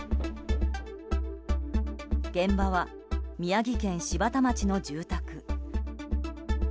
現場は宮城県柴田町の住宅。